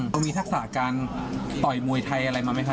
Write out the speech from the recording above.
เรามีทักษะการต่อยมวยไทยอะไรมาไหมครับ